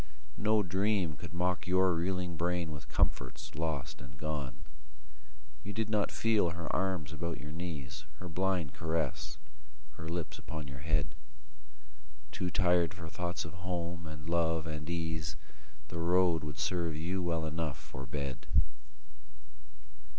No dream could mock Your reeling brain with comforts lost and gone. You did not feel her arms about your knees, Her blind caress, her lips upon your head: Too tired for thoughts of home and love and ease, The road would serve you well enough for bed.